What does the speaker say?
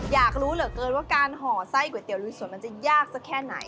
อยากรู้เหลือเกินว่าการห่อไส้ก๋วยเตี๋ยลุยสวนมันจะยากสักแค่ไหน